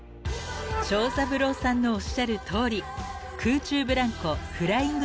［長三郎さんのおっしゃるとおり空中ブランコフライング